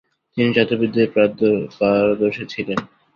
তিনি যাদুবিদ্যায় পারদর্শী ছিলেন।